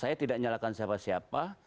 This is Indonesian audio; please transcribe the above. saya tidak nyalakan siapa siapa